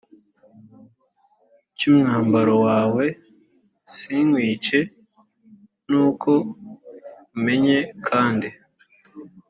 cy umwambaro wawe sinkwice nuko umenye kandi